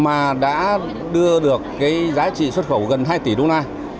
mà đã đưa được cái giá trị xuất khẩu gần hai tỷ đô la